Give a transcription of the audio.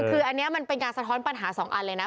คืออันนี้มันเป็นการสะท้อนปัญหาสองอันเลยนะ